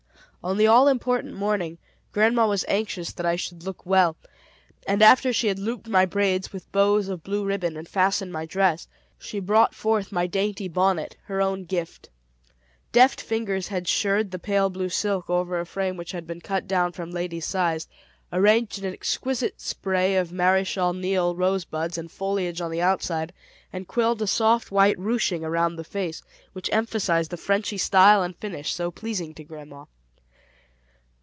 On the all important morning, grandma was anxious that I should look well; and after she had looped my braids with bows of blue ribbon and fastened my dress, she brought forth my dainty bonnet, her own gift. Deft fingers had shirred the pale blue silk over a frame which had been cut down from ladies' size, arranged an exquisite spray of Maréchal Niel rosebuds and foliage on the outside, and quilled a soft white ruching around the face, which emphasized the Frenchy style and finish so pleasing to grandma.